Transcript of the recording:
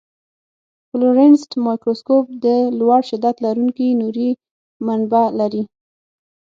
فلورسنټ مایکروسکوپ د لوړ شدت لرونکي نوري منبع لري.